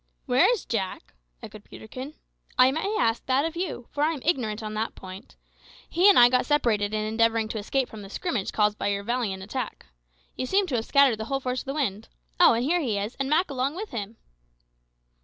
"Where is Jack?" echoed Peterkin; "I may ask that of you, for I am ignorant on the point. He and I got separated in endeavouring to escape from the scrimmage caused by your valiant attack. You seem to have scattered the whole force to the winds. Oh, here he is, and Mak along with him."